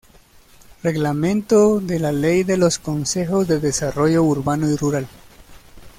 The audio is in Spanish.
Reglamento de la Ley de los Consejos de Desarrollo Urbano y Rural.